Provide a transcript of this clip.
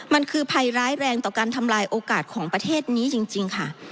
มันคือภัยร้ายแรงต่อการทำลายโอกาสของประเทศนี้จริงค่ะ